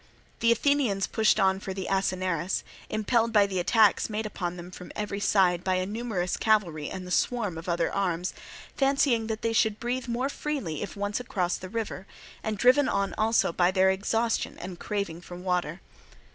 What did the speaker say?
The Athenians pushed on for the Assinarus, impelled by the attacks made upon them from every side by a numerous cavalry and the swarm of other arms, fancying that they should breathe more freely if once across the river, and driven on also by their exhaustion and craving for water.